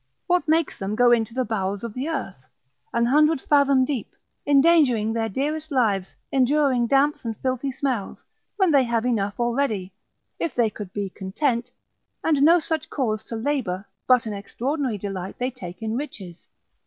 What makes them go into the bowels of the earth, an hundred fathom deep, endangering their dearest lives, enduring damps and filthy smells, when they have enough already, if they could be content, and no such cause to labour, but an extraordinary delight they take in riches.